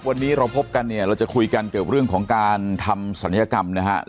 วันนี้เราพบกันเนี่ยเราจะคุยกันเกี่ยวกับเรื่องของการทำศัลยกรรมนะครับ